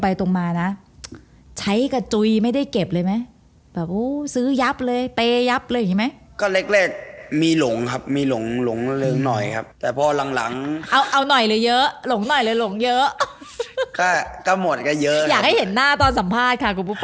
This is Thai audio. พอโควิดมาเราออกไปแต่ละแค่งเนี่ย